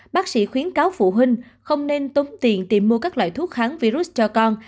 bác sĩ khuyến cáo phụ huynh không nên tống tiền tìm mua các loại thuốc kháng virus cho con